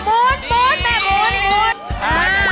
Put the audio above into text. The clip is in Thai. ไปล่ะสุดท้าย